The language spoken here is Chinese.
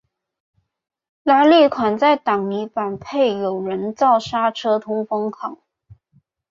拉力款在挡泥板配有人造刹车通风孔。